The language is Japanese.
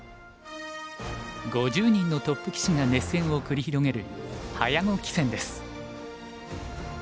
５０人のトップ棋士が熱戦を繰り広げる早碁棋戦です。